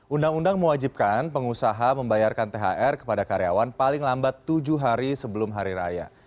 undang undang mewajibkan pengusaha membayarkan thr kepada karyawan paling lambat tujuh hari sebelum hari raya